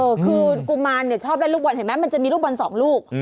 เออคือกุมารเนี่ยชอบเล่นลูกบอลเห็นไหมมันจะมีลูกบอลสองลูก